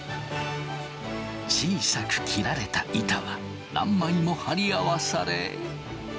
小さく切られた板は何枚も貼り合わされ。